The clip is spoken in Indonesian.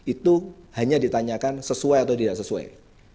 itu hanya ditanyakan sesuai atau tidak sesuai